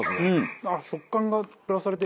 食感がプラスされて。